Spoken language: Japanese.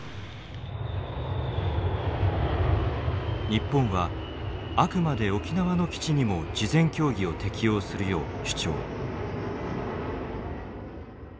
日本はあくまで沖縄の基地にも事前協議を適用するよう主張。